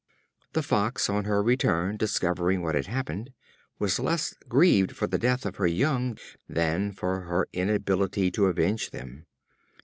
The Fox on her return, discovering what had happened, was less grieved for the death of her young than for her inability to avenge them.